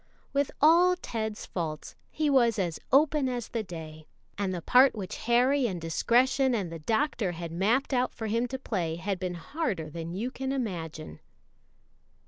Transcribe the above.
With all Ted's faults he was as open as the day, and the part which Harry and discretion and the Doctor had mapped out for him to play had been harder than you can imagine.